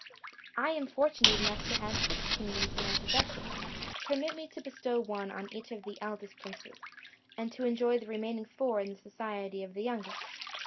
I am fortunate enough to have six kingdoms in my possession; permit me to bestow one on each of the eldest princes, and to enjoy the remaining four in the society of the youngest.